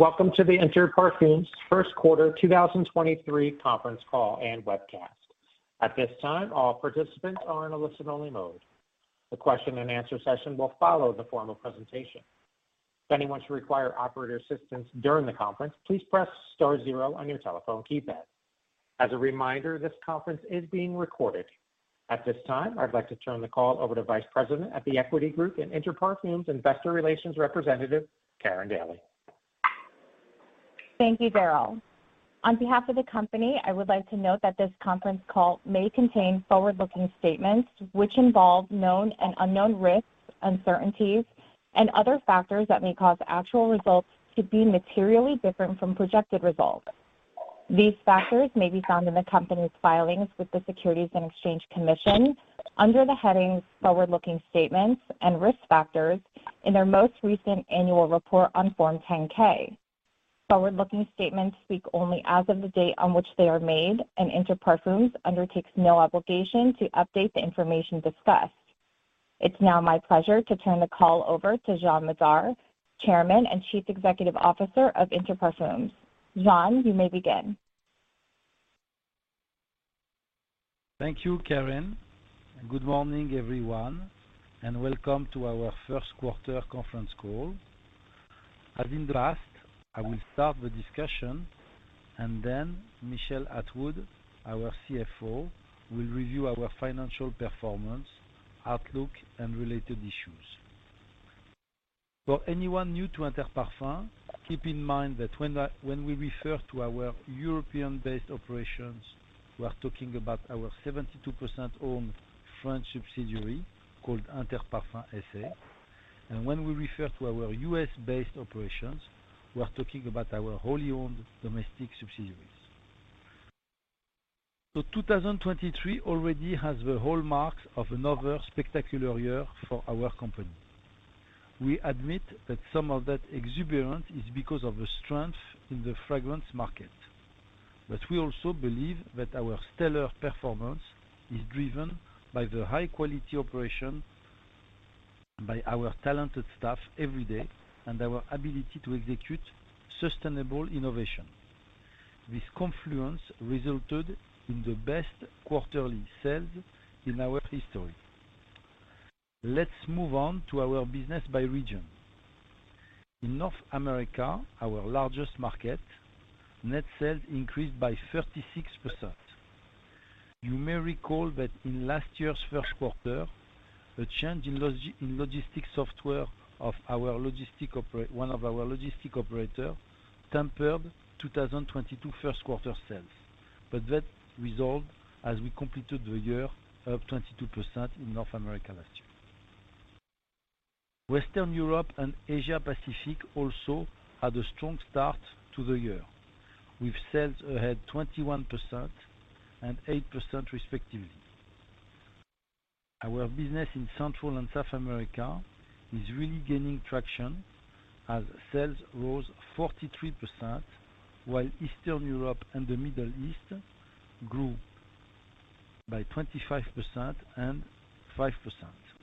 Welcome to the Inter Parfums first quarter 2023 conference call and webcast. At this time, all participants are in a listen-only mode. The question and answer session will follow the formal presentation. If anyone should require operator assistance during the conference, please press star zero on your telephone keypad. As a reminder, this conference is being recorded. At this time, I'd like to turn the call over to Vice President at The Equity Group and Interparfums Investor Relations representative, Karin Daly. Thank you, Daryl. On behalf of the company, I would like to note that this conference call may contain forward-looking statements which involve known and unknown risks, uncertainties, and other factors that may cause actual results to be materially different from projected results. These factors may be found in the company's filings with the Securities and Exchange Commission under the headings Forward-Looking Statements and Risk Factors in their most recent annual report on Form 10-K. Forward-looking statements speak only as of the date on which they are made, and Interparfums undertakes no obligation to update the information discussed. It's now my pleasure to turn the call over to Jean Madar, Chairman and Chief Executive Officer of Interparfums. Jean, you may begin. Thank you, Karin, good morning, everyone, and welcome to our first quarter conference call. As in draft, I will start the discussion and then Michel Atwood, our CFO, will review our financial performance, outlook, and related issues. For anyone new to Inter Parfums, keep in mind that when we refer to our European-based operations, we are talking about our 72% owned French subsidiary called Interparfums SA. When we refer to our US-based operations, we are talking about our wholly owned domestic subsidiaries. 2023 already has the hallmarks of another spectacular year for our company. We admit that some of that exuberance is because of the strength in the fragrance market. We also believe that our stellar performance is driven by the high-quality operation by our talented staff every day and our ability to execute sustainable innovation. This confluence resulted in the best quarterly sales in our history. Let's move on to our business by region. In North America, our largest market, net sales increased by 36%. You may recall that in last year's first quarter, a change in logistics software of one of our logistic operator tempered 2022 first quarter sales. That resolved as we completed the year, up 22% in North America last year. Western Europe and Asia Pacific also had a strong start to the year, with sales ahead 21% and 8% respectively. Our business in Central and South America is really gaining traction as sales rose 43%, while Eastern Europe and the Middle East grew by 25% and 5%,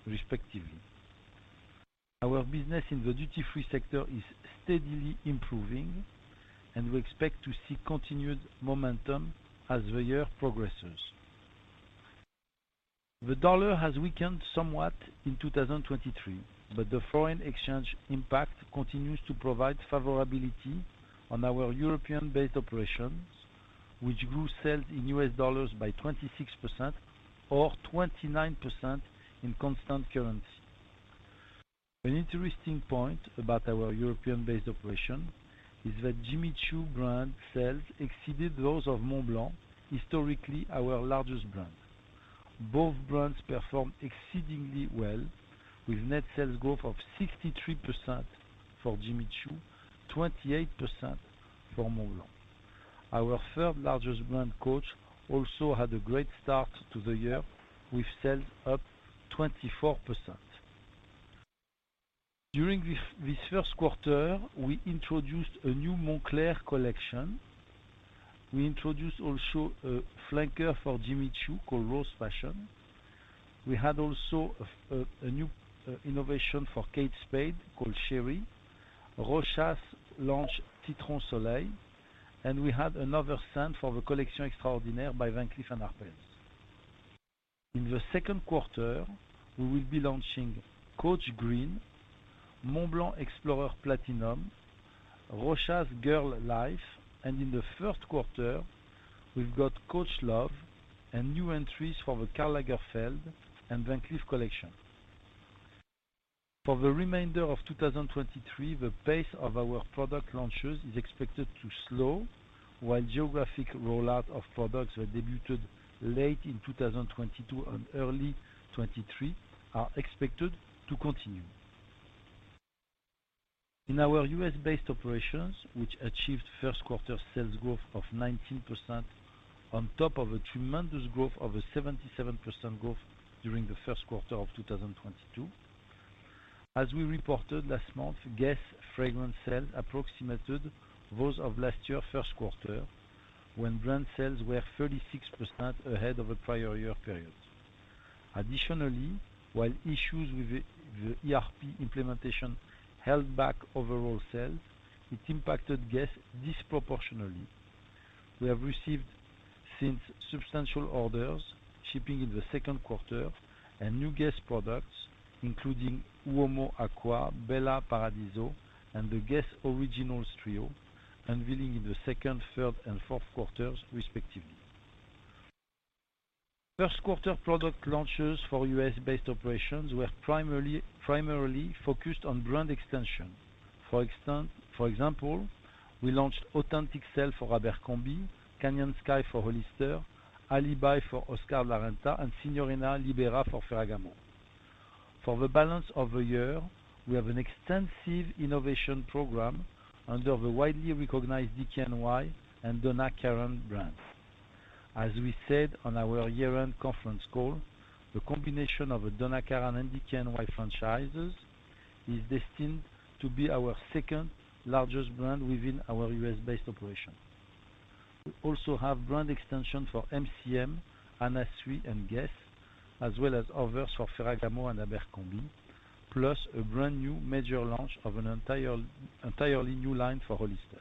respectively. Our business in the duty-free sector is steadily improving. We expect to see continued momentum as the year progresses. The dollar has weakened somewhat in 2023. The foreign exchange impact continues to provide favorability on our European-based operations, which grew sales in US dollars by 26% or 29% in constant currency. An interesting point about our European-based operation is that Jimmy Choo brand sales exceeded those of Montblanc, historically our largest brand. Both brands performed exceedingly well, with net sales growth of 63% for Jimmy Choo, 28% for Montblanc. Our third-largest brand, Coach, also had a great start to the year with sales up 24%. During this first quarter, we introduced a new Moncler collection. We introduced also a flanker for Jimmy Choo called Rose Passion. We had also a new innovation for Kate Spade called Chérie. Rochas launched Citron Soleil. We had another scent for the Collection Extraordinaire by Van Cleef & Arpels. In the second quarter, we will be launching Coach Green, Montblanc Explorer Platinum, Rochas Girl Life, and in the first quarter, we've got Coach Love and new entries for the Karl Lagerfeld and Van Cleef collection. For the remainder of 2023, the pace of our product launches is expected to slow, while geographic rollout of products were debuted late in 2022 and early 2023 are expected to continue. In our US-based operations, which achieved first quarter sales growth of 19% on top of a tremendous growth of 77% during the first quarter of 2022. As we reported last month, GUESS fragrance sales approximated those of last year first quarter, when brand sales were 36% ahead of the prior year periods. Additionally, while issues with the ERP implementation held back overall sales, it impacted GUESS disproportionately. We have received since substantial orders shipping in the second quarter and new GUESS products, including Uomo Acqua, Bella Paradiso, and the GUESS Originals trio, unveiling in the second, third, and fourth quarters respectively. First quarter product launches for US-based operations were primarily focused on brand extension. For example, we launched Authentic Self for Abercrombie, Canyon Sky for Hollister, Alibi for Oscar de la Renta, and Signorina Libera for Ferragamo. For the balance of the year, we have an extensive innovation program under the widely recognized DKNY and Donna Karan brands. As we said on our year-end conference call, the combination of a Donna Karan and DKNY franchises is destined to be our second-largest brand within our US-based operation. We also have brand extension for MCM, Anna Sui, and GUESS, as well as others for Ferragamo and Abercrombie, plus a brand-new major launch of an entirely new line for Hollister.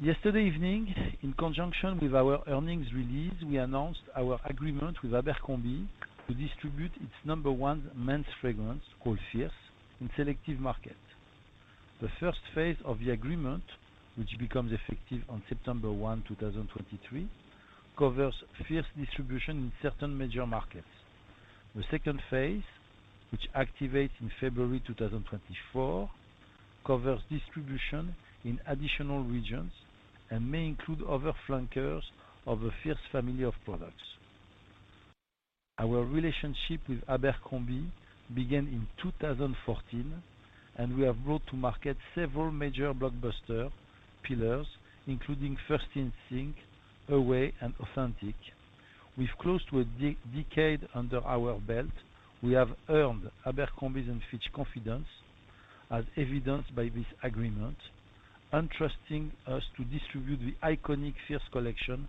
Yesterday evening, in conjunction with our earnings release, we announced our agreement with Abercrombie to distribute its number one men's fragrance, called Fierce, in selective markets. The first phase of the agreement, which becomes effective on September one, 2023, covers Fierce distribution in certain major markets. The second phase, which activates in February 2024, covers distribution in additional regions and may include other flankers of the Fierce family of products. Our relationship with Abercrombie began in 2014, we have brought to market several major blockbuster pillars, including First Instinct, Away, and Authentic. With close to a decade under our belt, we have earned Abercrombie & Fitch's confidence, as evidenced by this agreement, entrusting us to distribute the iconic Fierce collection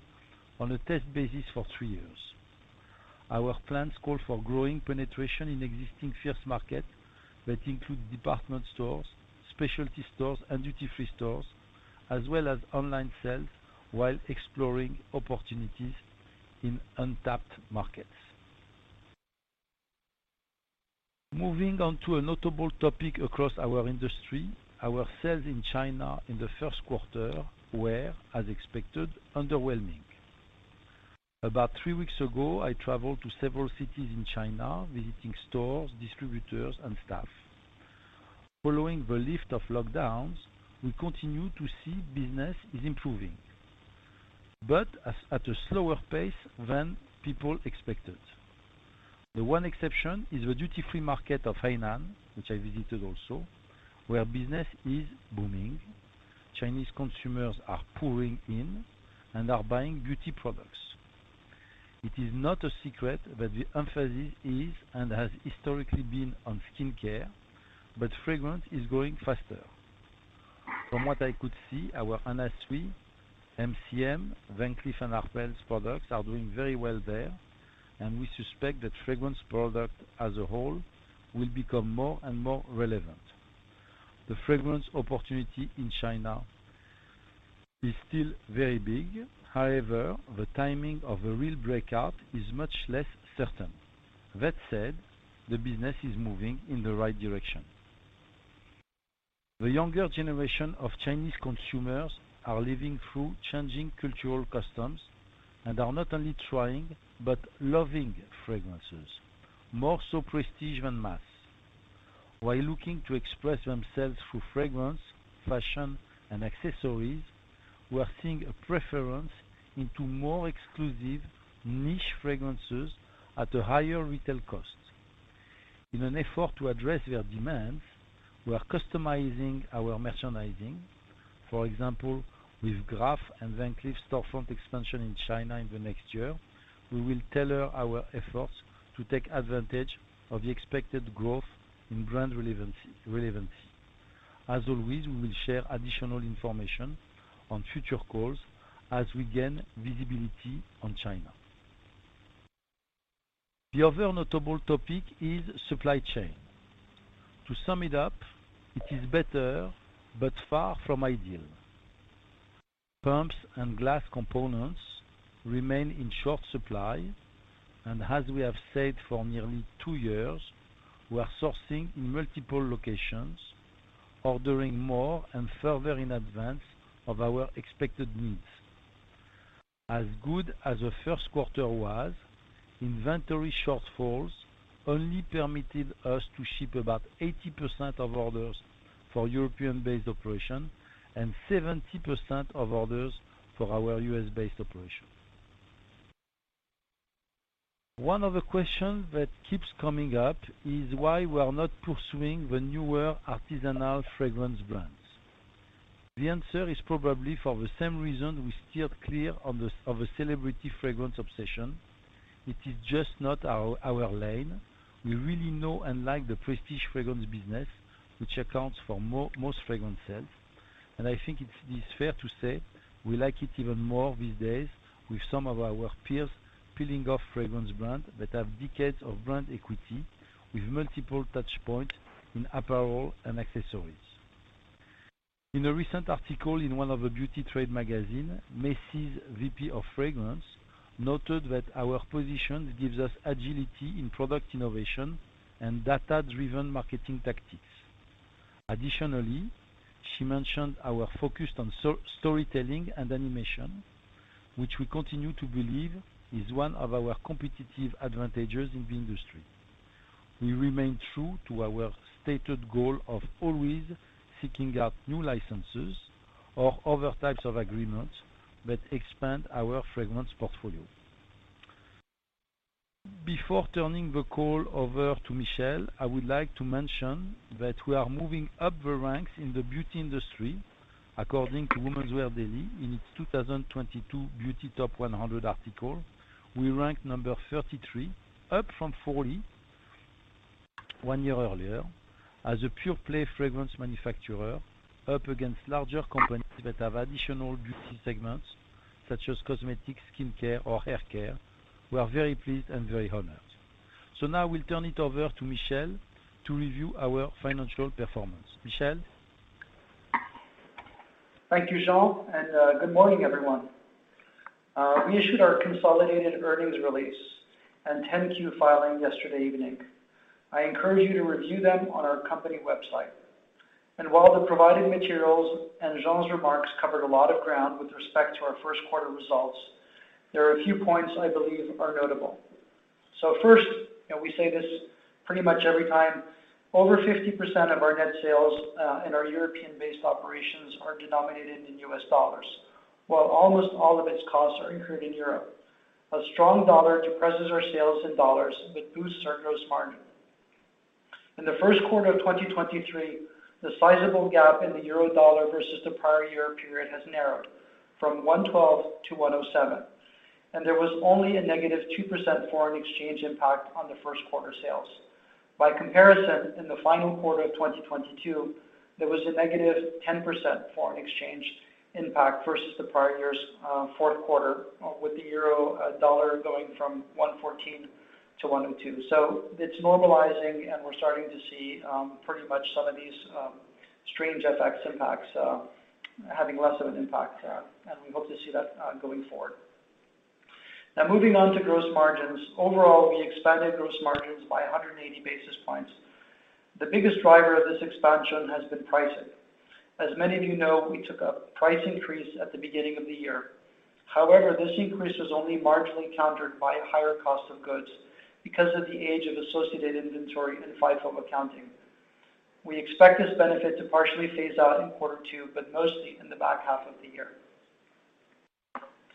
on a test basis for three years. Our plans call for growing penetration in existing Fierce market that include department stores, specialty stores, and duty-free stores, as well as online sales, while exploring opportunities in untapped markets. Moving on to a notable topic across our industry, our sales in China in the first quarter were, as expected, underwhelming. About three weeks ago, I traveled to several cities in China, visiting stores, distributors, and staff. Following the lift of lockdowns, we continue to see business is improving, but at a slower pace than people expected. The one exception is the duty-free market of Hainan, which I visited also, where business is booming. Chinese consumers are pouring in and are buying beauty products. It is not a secret that the emphasis is and has historically been on skincare. Fragrance is growing faster. From what I could see, our Anna Sui, MCM, Van Cleef & Arpels products are doing very well there. We suspect that fragrance product as a whole will become more and more relevant. The fragrance opportunity in China is still very big. The timing of a real breakout is much less certain. That said, the business is moving in the right direction. The younger generation of Chinese consumers are living through changing cultural customs and are not only trying but loving fragrances, more so prestige than mass. While looking to express themselves through fragrance, fashion, and accessories, we are seeing a preference into more exclusive niche fragrances at a higher retail cost. In an effort to address their demands, we are customizing our merchandising. For example, with Graff and Van Cleef storefront expansion in China in the next year, we will tailor our efforts to take advantage of the expected growth in brand relevancy. As always, we will share additional information on future calls as we gain visibility on China. The other notable topic is supply chain. To sum it up, it is better but far from ideal. Pumps and glass components remain in short supply, and as we have said for nearly two years, we are sourcing in multiple locations, ordering more and further in advance of our expected needs. As good as the first quarter was, inventory shortfalls only permitted us to ship about 80% of orders for European-based operation and 70% of orders for our US-based operation. One of the questions that keeps coming up is why we are not pursuing the newer artisanal fragrance brands. The answer is probably for the same reason we steered clear of a celebrity fragrance obsession. It is just not our lane. We really know and like the prestige fragrance business, which accounts for most fragrance sales. I think it is fair to say we like it even more these days with some of our peers peeling off fragrance brands that have decades of brand equity with multiple touch points in apparel and accessories. In a recent article in one of the beauty trade magazine, Macy's VP of Fragrance noted that our position gives us agility in product innovation and data-driven marketing tactics. Additionally, she mentioned our focus on storytelling and animation, which we continue to believe is one of our competitive advantages in the industry. We remain true to our stated goal of always seeking out new licenses or other types of agreements that expand our fragrance portfolio. Before turning the call over to Michel, I would like to mention that we are moving up the ranks in the beauty industry. According to Women's Wear Daily, in its 2022 Beauty Top 100 article, we ranked number 33, up from 41 year earlier, as a pure-play fragrance manufacturer, up against larger companies that have additional beauty segments such as cosmetics, skincare, or haircare. We are very pleased and very honored. Now I will turn it over to Michel to review our financial performance. Michel? Thank you, Jean, and good morning, everyone. We issued our consolidated earnings release and 10-Q filing yesterday evening. I encourage you to review them on our company website. While the provided materials and Jean's remarks covered a lot of ground with respect to our first quarter results, there are a few points I believe are notable. First, and we say this pretty much every time, over 50% of our net sales in our European-based operations are denominated in US dollars. While almost all of its costs are incurred in Europe, a strong dollar depresses our sales in dollars but boosts our gross margin. In the first quarter of 2023, the sizable gap in the euro dollar versus the prior year period has narrowed from 1.12 to 1.07, and there was only a -2% foreign exchange impact on the first quarter sales. By comparison, in the final quarter of 2022, there was a -10% foreign exchange impact versus the prior year's fourth quarter, with the euro dollar going from 1.14 to 1.02. It's normalizing, and we're starting to see pretty much some of these strange FX impacts having less of an impact. We hope to see that going forward. Moving on to gross margins. Overall, we expanded gross margins by 180 basis points. The biggest driver of this expansion has been pricing. As many of you know, we took a price increase at the beginning of the year. However, this increase was only marginally countered by higher cost of goods because of the age of associated inventory and FIFO accounting. We expect this benefit to partially phase out in quarter two, but mostly in the back half of the year.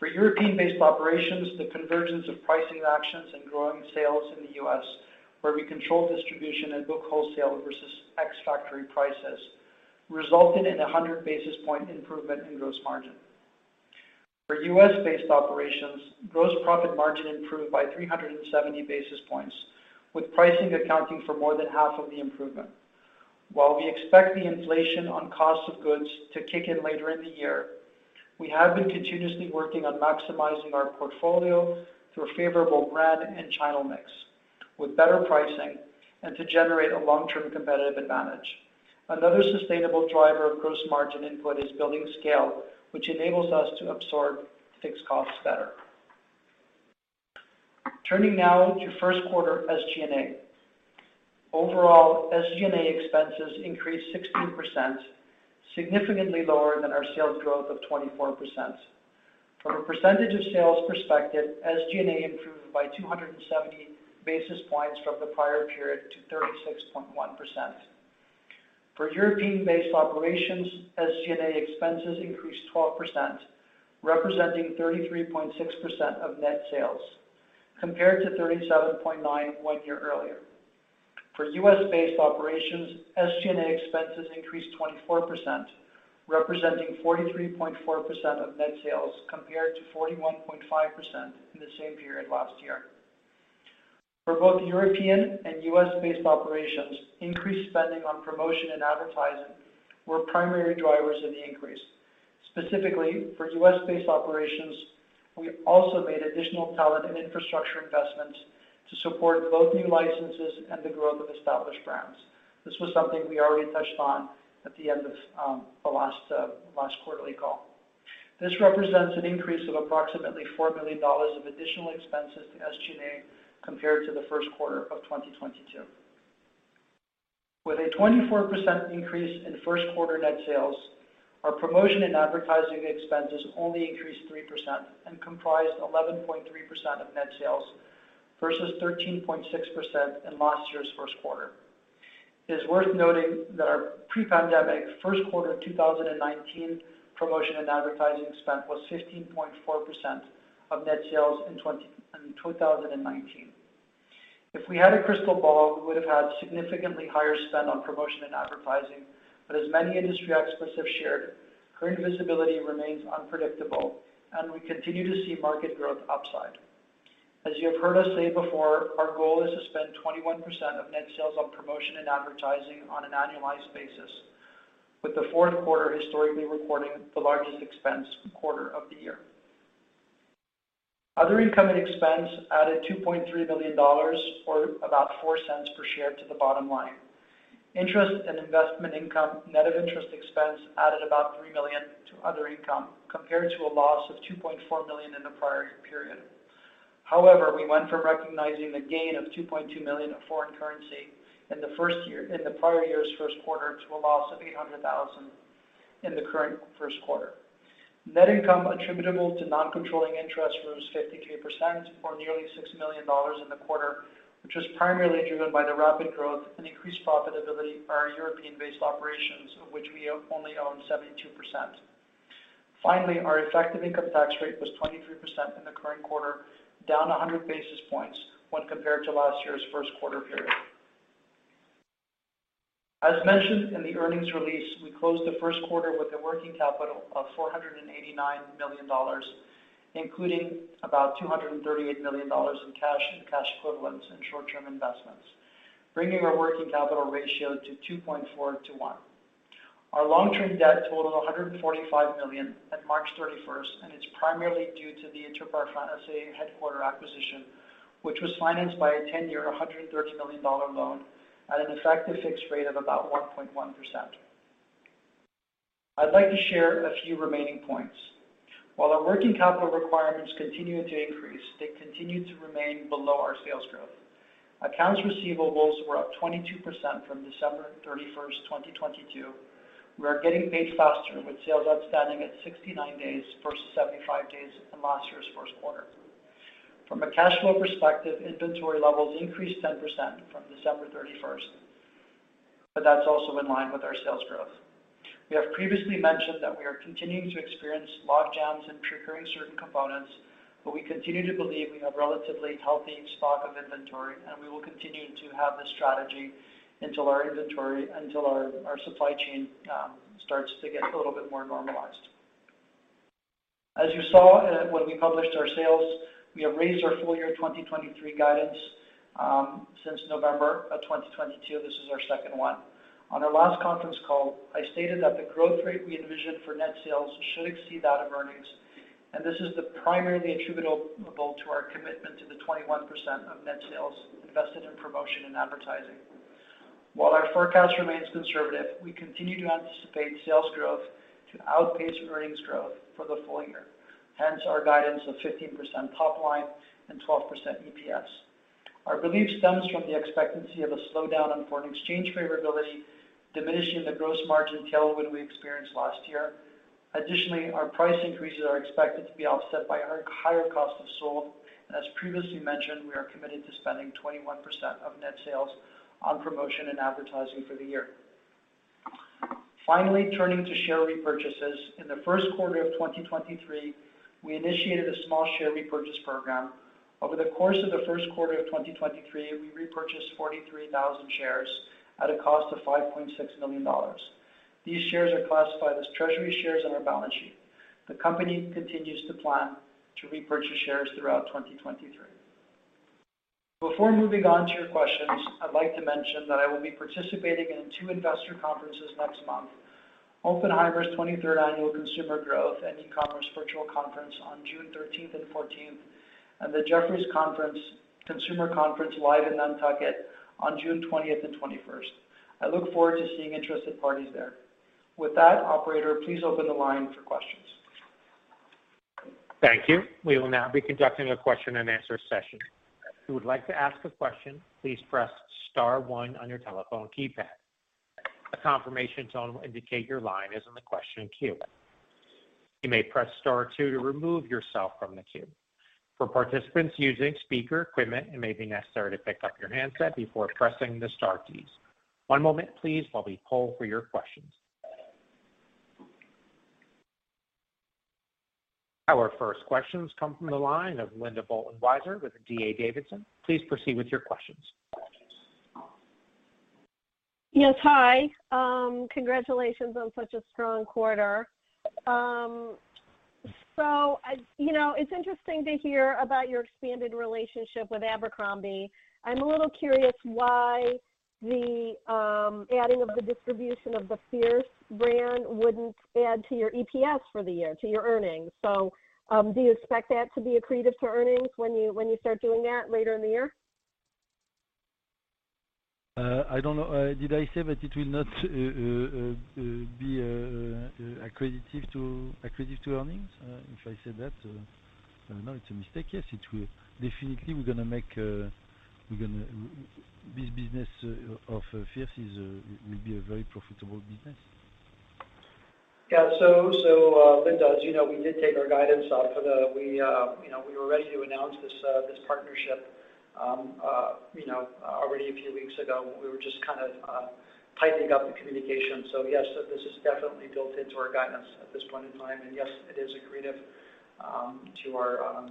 For European-based operations, the convergence of pricing actions and growing sales in the US, where we control distribution and book wholesale versus ex-factory prices, resulted in a 100 basis point improvement in gross margin. For US-based operations, gross profit margin improved by 370 basis points, with pricing accounting for more than half of the improvement. While we expect the inflation on cost of goods to kick in later in the year, we have been continuously working on maximizing our portfolio through a favorable brand and channel mix with better pricing and to generate a long-term competitive advantage. Another sustainable driver of gross margin input is building scale, which enables us to absorb fixed costs better. Turning now to first quarter SG&A. Overall, SG&A expenses increased 16%, significantly lower than our sales growth of 24%. From a percentage of sales perspective, SG&A improved by 270 basis points from the prior period to 36.1%. For European-based operations, SG&A expenses increased 12%, representing 33.6% of net sales, compared to 37.9% one year earlier. For US-based operations, SG&A expenses increased 24%, representing 43.4% of net sales, compared to 41.5% in the same period last year. For both European and US-based operations, increased spending on promotion and advertising were primary drivers of the increase. Specifically, for US-based operations, we also made additional talent and infrastructure investments to support both new licenses and the growth of established brands. This was something we already touched on at the end of the last quarterly call. This represents an increase of approximately $4 million of additional expenses to SG&A compared to the first quarter of 2022. With a 24% increase in first quarter net sales, our promotion and advertising expenses only increased 3% and comprised 11.3% of net sales versus 13.6% in last year's first quarter. It is worth noting that our pre-pandemic first quarter 2019 promotion and advertising spend was 15.4% of net sales in 2019. If we had a crystal ball, we would have had significantly higher spend on promotion and advertising. As many industry experts have shared, current visibility remains unpredictable, and we continue to see market growth upside. As you have heard us say before, our goal is to spend 21% of net sales on promotion and advertising on an annualized basis, with the fourth quarter historically recording the largest expense quarter of the year. Other income and expense added $2.3 billion, or about $0.04 per share to the bottom line. Interest and investment income net of interest expense added about $3 million to other income, compared to a loss of $2.4 million in the prior period. We went from recognizing the gain of $2.2 million of foreign currency in the prior year's first quarter, to a loss of $800,000 in the current first quarter. Net income attributable to non-controlling interest rose 53%, or nearly $6 million in the quarter, which was primarily driven by the rapid growth and increased profitability of our European-based operations, of which we only own 72%. Our effective income tax rate was 23% in the current quarter, down 100 basis points when compared to last year's first quarter period. As mentioned in the earnings release, we closed the first quarter with a working capital of $489 million, including about $238 million in cash and cash equivalents and short-term investments, bringing our working capital ratio to 2.4 to 1. Our long-term debt totaled $145 million at March 31st, and it's primarily due to the Interparfums SA headquarter acquisition, which was financed by a 10-year, $130 million loan at an effective fixed rate of about 1.1%. I'd like to share a few remaining points. While our working capital requirements continue to increase, they continue to remain below our sales growth. Accounts receivables were up 22% from December 31st, 2022. We are getting paid faster with sales outstanding at 69 days versus 75 days in last year's first quarter. From a cash flow perspective, inventory levels increased 10% from December 31st, but that's also in line with our sales growth. We have previously mentioned that we are continuing to experience logjams in procuring certain components, but we continue to believe we have relatively healthy stock of inventory, and we will continue to have this strategy until our supply chain starts to get a little bit more normalized. As you saw, when we published our sales, we have raised our full year 2023 guidance since November of 2022. This is our second one. On our last conference call, I stated that the growth rate we envisioned for net sales should exceed that of earnings, and this is primarily attributable to our commitment to the 21% of net sales invested in promotion and advertising. While our forecast remains conservative, we continue to anticipate sales growth to outpace earnings growth for the full year, hence our guidance of 15% top line and 12% EPS. Our belief stems from the expectancy of a slowdown in foreign exchange favorability, diminishing the gross margin tailwind we experienced last year. Additionally, our price increases are expected to be offset by our higher cost of sold. As previously mentioned, we are committed to spending 21% of net sales on promotion and advertising for the year. Finally, turning to share repurchases. In the first quarter of 2023, we initiated a small share repurchase program. Over the course of the first quarter of 2023, we repurchased 43,000 shares at a cost of $5.6 million. These shares are classified as treasury shares on our balance sheet. The company continues to plan to repurchase shares throughout 2023. Before moving on to your questions, I'd like to mention that I will be participating in two investor conferences next month. Oppenheimer 23rd Annual Consumer Growth and E-Commerce Virtual Conference on June 13th and 14th, and the Jefferies Consumer Conference live in Nantucket on June 20th and 21st. I look forward to seeing interested parties there. With that, operator, please open the line for questions. Thank you. We will now be conducting a question and answer session. If you would like to ask a question, please press star one on your telephone keypad. A confirmation tone will indicate your line is in the question queue. You may press star two to remove yourself from the queue. For participants using speaker equipment, it may be necessary to pick up your handset before pressing the star keys. One moment please, while we poll for your questions. Our first questions come from the line of Linda Bolton-Weiser with D.A. Davidson. Please proceed with your questions. Yes. Hi. Congratulations on such a strong quarter. You know, it's interesting to hear about your expanded relationship with Abercrombie. I'm a little curious why the adding of the distribution of the Fierce brand wouldn't add to your EPS for the year, to your earnings. Do you expect that to be accretive to earnings when you start doing that later in the year? I don't know. Did I say that it will not be accretive to earnings? If I said that, I don't know, it's a mistake. Yes, it will. Definitely, this business of Fierce is will be a very profitable business. Yeah. So, Linda, as you know, we did take our guidance off of the we, you know, we were ready to announce this partnership, you know, already a few weeks ago. We were just kind of tightening up the communication. Yes, this is definitely built into our guidance at this point in time. Yes, it is accretive to our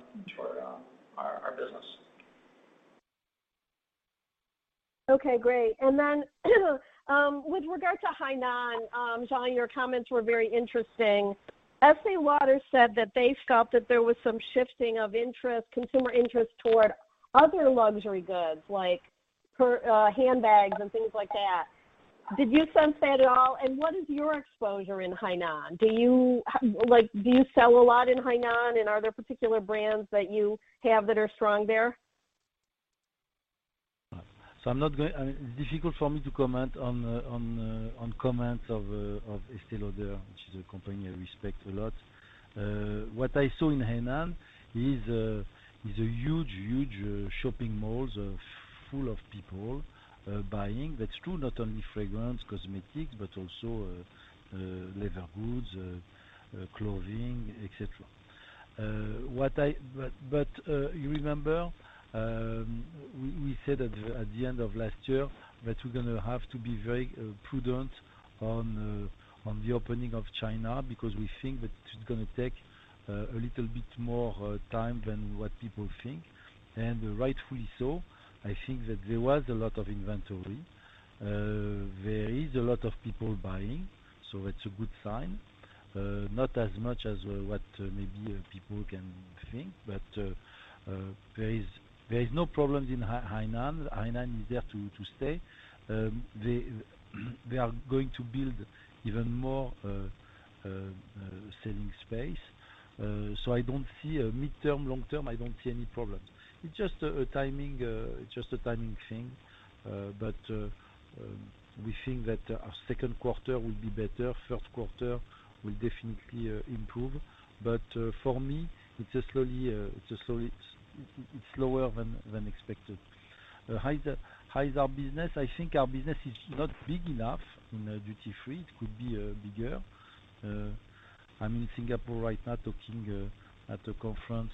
business. Okay, great. Then with regard to Hainan, Jean, your comments were very interesting. Estée Lauder said that they felt that there was some shifting of interest, consumer interest toward other luxury goods, like handbags and things like that. Did you sense that at all? What is your exposure in Hainan? Do you sell a lot in Hainan, and are there particular brands that you have that are strong there? I mean, it's difficult for me to comment on the comments of Estée Lauder, which is a company I respect a lot. What I saw in Hainan is a huge shopping malls, full of people buying. That's true, not only fragrance, cosmetics, but also leather goods, clothing, et cetera. You remember, we said at the end of last year that we're gonna have to be very prudent on the opening of China because we think that it's gonna take a little bit more time than what people think. Rightfully so, I think that there was a lot of inventory. There is a lot of people buying, so it's a good sign. Not as much as what maybe people can think. There is no problems in Hainan. Hainan is there to stay. They are going to build even more selling space. I don't see a midterm, long-term, I don't see any problems. It's just a timing thing. We think that our second quarter will be better. First quarter will definitely improve. For me, it's a slowly... It's slower than expected. How is our business? I think our business is not big enough in duty-free. It could be bigger. I'm in Singapore right now talking at a conference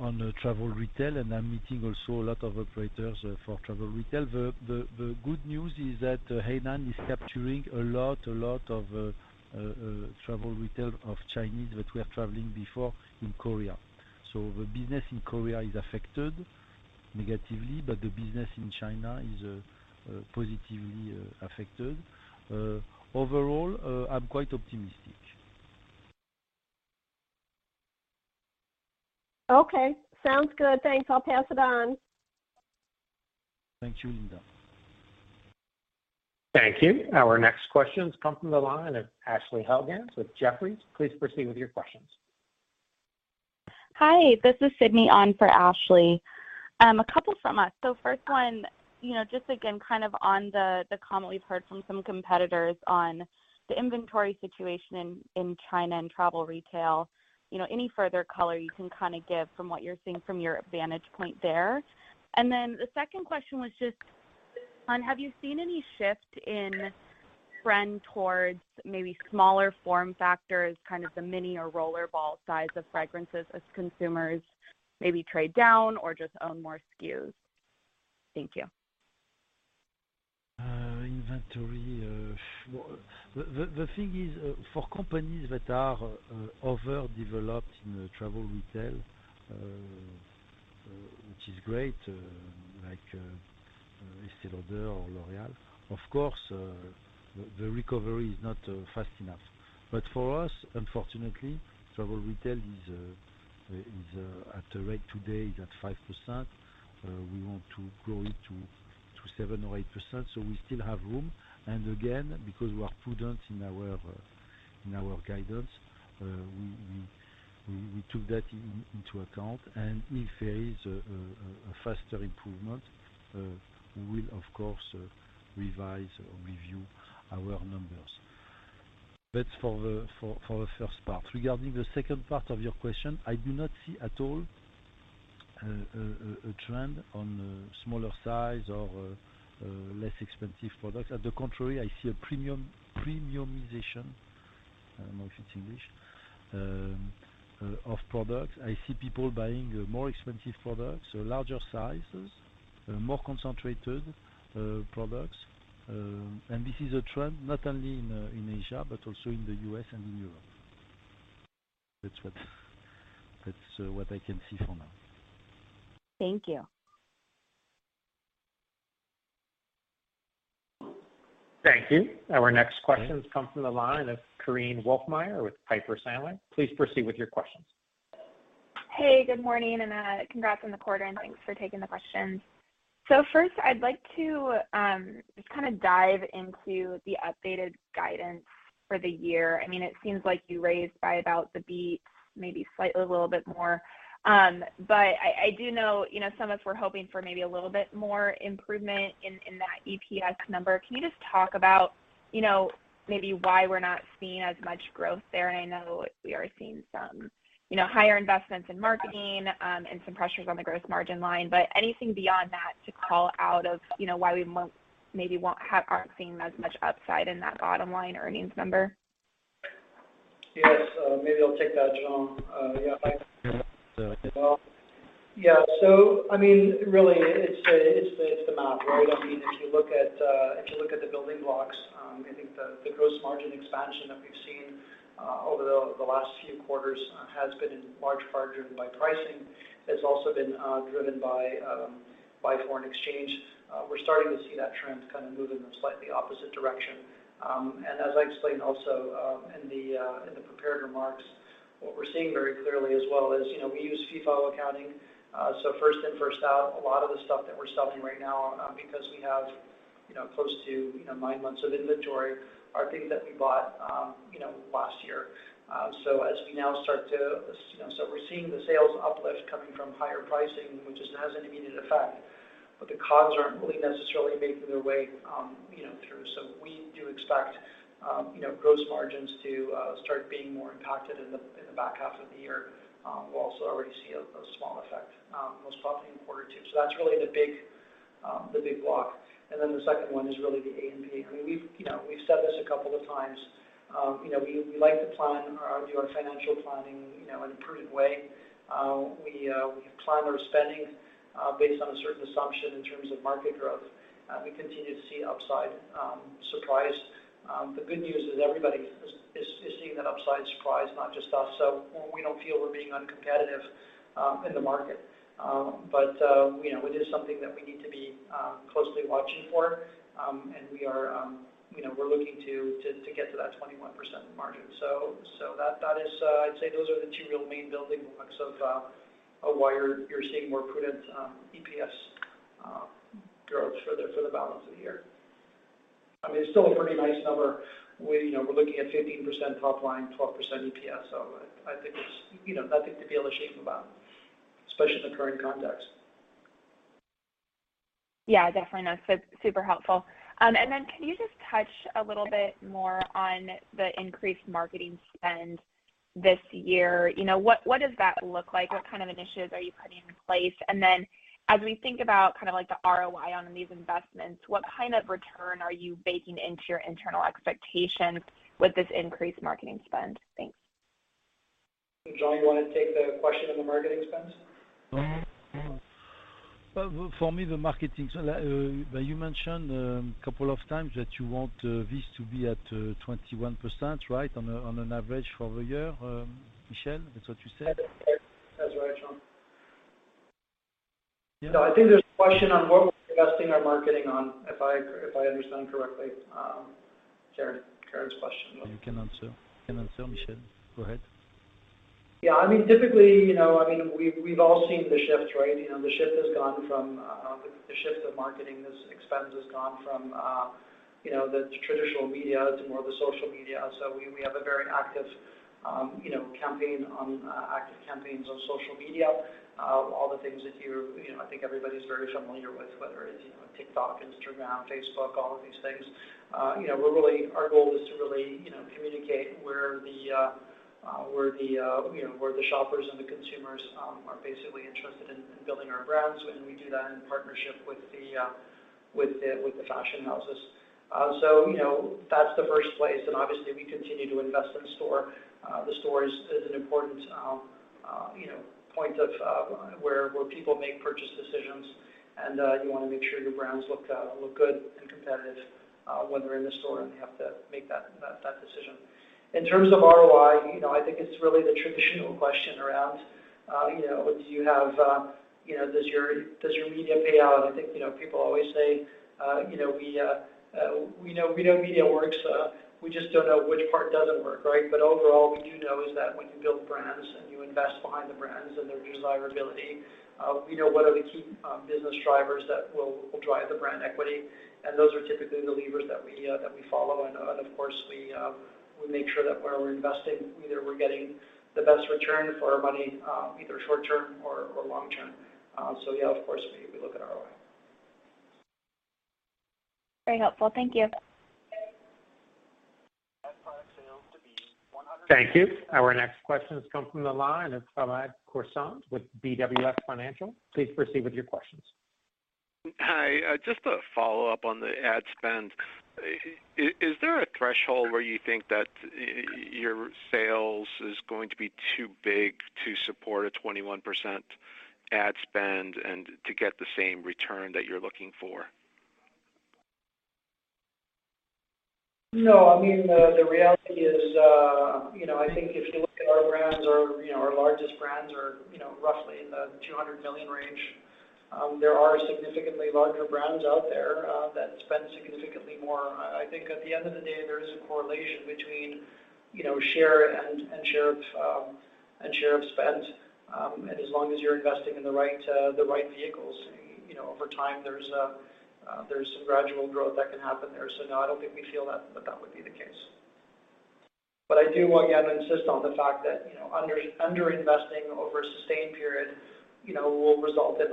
on a travel retail, and I'm meeting also a lot of operators for travel retail. The good news is that Hainan is capturing a lot of travel retail of Chinese that were traveling before in Korea. The business in Korea is affected negatively, but the business in China is positively affected. Overall, I'm quite optimistic. Okay, sounds good. Thanks. I'll pass it on. Thank you, Linda. Thank you. Our next question comes from the line of Ashley Helgans with Jefferies. Please proceed with your questions. Hi, this is Sydney on for Ashley. A couple from us. First one, you know, just again, kind of on the comment we've heard from some competitors on the inventory situation in China and travel retail. You know, any further color you can kind of give from what you're seeing from your vantage point there? The second question was just on have you seen any shift in trend towards maybe smaller form factors, kind of the mini or rollerball size of fragrances as consumers maybe trade down or just own more SKUs? Thank you. Inventory, the thing is, for companies that are overdeveloped in the travel retail, which is great, like Estée Lauder or L'Oréal, of course, the recovery is not fast enough. For us, unfortunately, travel retail is at a rate today that 5%. We want to grow it to 7% or 8%, so we still have room. Again, because we are prudent in our guidance, we took that into account. If there is a faster improvement, we will of course revise or review our numbers. That's for the first part. Regarding the second part of your question, I do not see at all a trend on smaller size or less expensive products. At the contrary, I see a premiumization, I don't know if it's English, of products. I see people buying more expensive products, so larger sizes, more concentrated products. This is a trend not only in Asia, but also in the US and in Europe. That's what I can see for now. Thank you. Thank you. Our next question has come from the line of Korinne Wolfmeyer with Piper Sandler. Please proceed with your questions. Good morning, congrats on the quarter, and thanks for taking the questions. First, I'd like to just kind of dive into the updated guidance for the year. It seems like you raised by about the beat, maybe slightly a little bit more. I do know, you know, some of us were hoping for maybe a little bit more improvement in that EPS number. Can you just talk about, you know, maybe why we're not seeing as much growth there? I know we are seeing some, you know, higher investments in marketing, and some pressures on the gross margin line, but anything beyond that to call out of, you know, why we won't, aren't seeing as much upside in that bottom line earnings number? Yes. Maybe I'll take that, Jean. Yeah. Mm-hmm. Yeah. I mean, really it's, it's the math, right? I mean, if you look at, if you look at the building blocks, I think the gross margin expansion that we've seen over the last few quarters has been in large part driven by pricing. It's also been driven by foreign exchange. We're starting to see that trend kind of move in a slightly opposite direction. As I explained also in the prepared remarks, what we're seeing very clearly as well is, you know, we use FIFO accounting. First in, first out, a lot of the stuff that we're selling right now, because we have, you know, close to, you know, nine months of inventory are things that we bought, you know, last year. As we now start to, you know. We're seeing the sales uplift coming from higher pricing, which just has an immediate effect, but the COGS aren't really necessarily making their way, you know, through. We do expect, you know, gross margins to start being more impacted in the back half of the year. We'll also already see a small effect, most probably in quarter two. That's really the big, the big block. The second one is really the A&P. I mean, we've, you know, we've said this a couple of times. You know, we like to plan or do our financial planning, you know, in a prudent way. We, we plan our spending based on a certain assumption in terms of market growth. We continue to see upside surprise. The good news is everybody is seeing that upside surprise, not just us. We don't feel we're being uncompetitive in the market. You know, it is something that we need to be closely watching for. We are, you know, we're looking to get to that 21% margin. That is. I'd say those are the two real main building blocks of why you're seeing more prudent EPS growth for the balance of the year. I mean, it's still a pretty nice number. We, you know, we're looking at 15% top line, 12% EPS, so I think it's, you know, nothing to be ashamed about, especially in the current context. Yeah, definitely. No, super helpful. Can you just touch a little bit more on the increased marketing spend this year? You know, what does that look like? What kind of initiatives are you putting in place? As we think about kind of like the ROI on these investments, what kind of return are you baking into your internal expectations with this increased marketing spend? Thanks. Jean, you wanna take the question on the marketing spend? Well, for me, the marketing... you mentioned couple of times that you want this to be at 21%, right? On an average for the year, Michel, that's what you said? That's right, Jean. Yeah. No, I think there's a question on what we're investing our marketing on if I understand correctly, Karin's question. You can answer, Michel. Go ahead. Yeah, I mean, typically, you know, I mean, we've all seen the shift, right? You know, the shift has gone from the shift of marketing as expense has gone from, you know, the traditional media to more of the social media. We have a very active, you know, active campaigns on social media. All the things that you know, I think everybody's very familiar with, whether it's, you know, TikTok, Instagram, Facebook, all of these things. You know, we're really Our goal is to really, you know, communicate where the shoppers and the consumers are basically interested in building our brands. We do that in partnership with the fashion houses. You know, that's the first place, and obviously we continue to invest in store. The store is an important, you know, point of, where people make purchase decisions. You wanna make sure your brands look good and competitive, when they're in the store, and they have to make that decision. In terms of ROI, you know, I think it's really the traditional question around, you know, do you have... You know, does your media pay out? I think, you know, people always say, you know, we know media works, we just don't know which part doesn't work, right? Overall, what we do know is that when you build brands and you invest behind the brands and their desirability, we know what are the key business drivers that will drive the brand equity, and those are typically the levers that we follow. Of course we make sure that where we're investing, either we're getting the best return for our money, either short term or long term. Yeah, of course we look at ROI. Very helpful. Thank you. Thank you. Our next question has come from the line of Hamed Khorsand with BWS Financial. Please proceed with your questions. Hi. Just a follow-up on the ad spend. Is there a threshold where you think that your sales is going to be too big to support a 21% ad spend and to get the same return that you're looking for? No. I mean, the reality is, you know, I think if you look at our brands, our, you know, our largest brands are, you know, roughly in the $200 million range. There are significantly larger brands out there, that spend significantly more. I think at the end of the day, there is a correlation between, you know, share and share of, and share of spend. As long as you're investing in the right, the right vehicles, you know, over time there's some gradual growth that can happen there. No, I don't think we feel that that would be the case. I do again insist on the fact that, you know, under investing over a sustained period, you know, will result in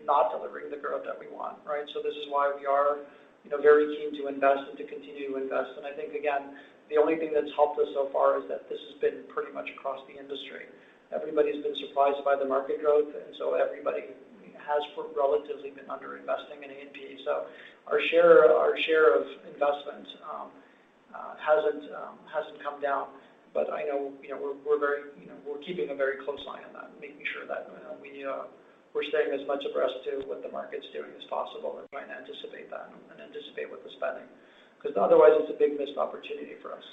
us not delivering the growth that we want, right? This is why we are, you know, very keen to invest and to continue to invest. I think again, the only thing that's helped us so far is that this has been pretty much across the industry. Everybody's been surprised by the market growth, and so everybody has for relatively been underinvesting in A&P. Our share of investment hasn't come down, but I know, you know, we're very, you know, we're keeping a very close eye on that, making sure that, you know, we're staying as much abreast to what the market's doing as possible and trying to anticipate that and anticipate with the spending. Otherwise it's a big missed opportunity for us.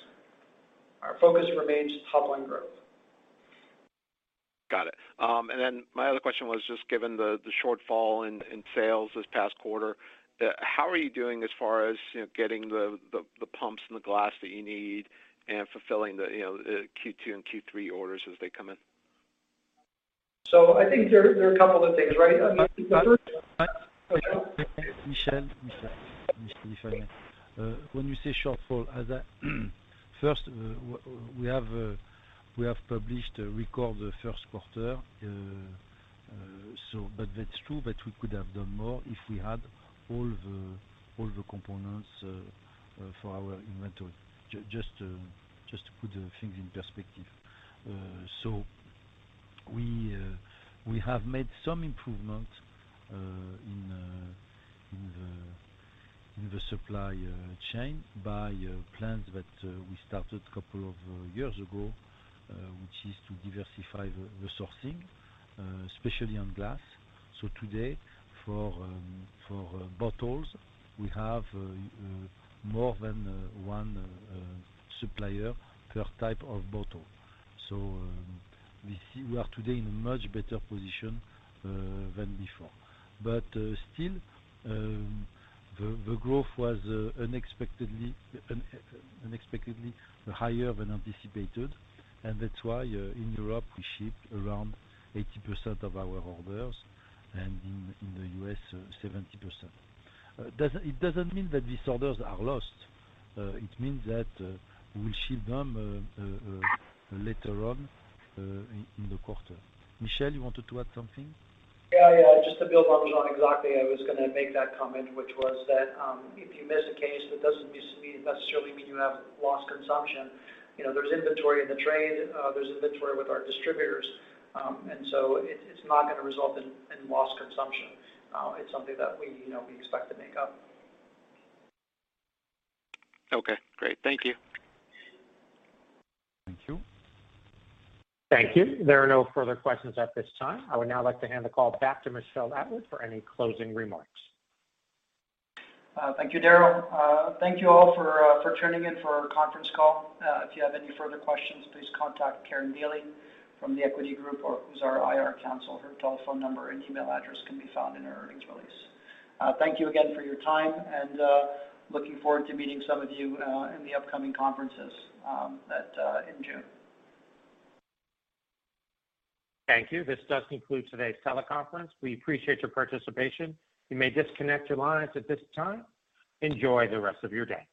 Our focus remains top-line growth. Got it. My other question was just given the shortfall in sales this past quarter, how are you doing as far as getting the pumps and the glass that you need and fulfilling the Q2 and Q3 orders as they come in? I think there are a couple of things, right? I mean- Michel, if I may. When you say shortfall, we have published a record the first quarter. That's true, but we could have done more if we had all the components for our inventory, just to put things in perspective. We have made some improvement in the supply chain by plans that we started a couple of years ago, which is to diversify the sourcing, especially on glass. Today, for bottles, we have more than one supplier per type of bottle. We are today in a much better position than before. Still, the growth was unexpectedly higher than anticipated. That's why, in Europe, we ship around 80% of our orders, and in the US, 70%. It doesn't mean that these orders are lost. It means that we'll ship them later on in the quarter. Michel, you wanted to add something? Yeah, yeah. Just to build on Jean. Exactly. I was gonna make that comment, which was that, if you miss a case, that doesn't necessarily mean you have lost consumption. You know, there's inventory in the trade, there's inventory with our distributors. It's not gonna result in lost consumption. It's something that we, you know, we expect to make up. Okay, great. Thank you. Thank you. Thank you. There are no further questions at this time. I would now like to hand the call back to Michel Atwood for any closing remarks. Thank you, Daryl. Thank you all for tuning in for our conference call. If you have any further questions, please contact Karin Daly from The Equity Group who's our IR counsel. Her telephone number and email address can be found in our earnings release. Thank you again for your time, and looking forward to meeting some of you in the upcoming conferences at in June. Thank you. This does conclude today's teleconference. We appreciate your participation. You may disconnect your lines at this time. Enjoy the rest of your day.